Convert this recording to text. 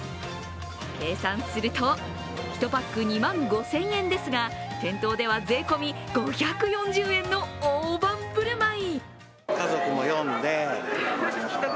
計算すると１パック２万５０００円ですが、店頭では税込み５４０円の大盤振る舞い。